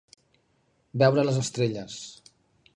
Veure les estrelles.